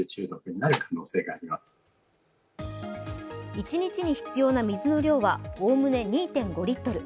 一日に必要な水の量はおおむね２．５リットル。